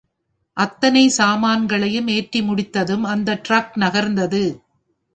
அத்தனை சாமான்களையும் ஏற்றி முடிந்ததும் அந்த டிரக் நகர்ந்தது.